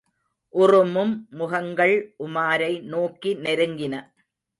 உறுமும் முகங்கள் உமாரை நோக்கி நெருங்கின.